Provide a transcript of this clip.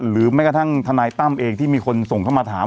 หรือไม่กระทั่งถนายต้ำเองที่มีคนส่งเขามาถาม